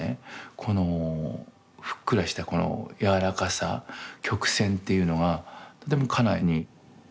このふっくらした柔らかさ曲線っていうのがとても家内に。